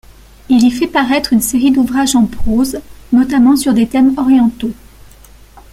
Il y fait paraître une série d'ouvrages en prose, notamment sur des thèmes orientaux.